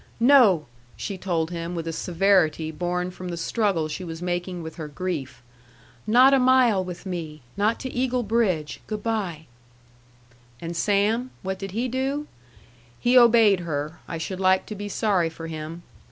"No!" she told him with a severity born from the struggle she was making with her grief. "Not a mile with me. Not to Eagle Bridge. Good by." And Sam what did he do? He obeyed her, I should like to be sorry for him.